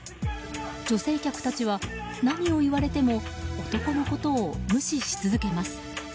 女性客たちは、何を言われても男のことを無視し続けます。